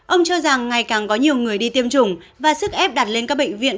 ông cho rằng ngày càng có nhiều người đi tiêm chủng và sức ép đặt lên các bệnh viện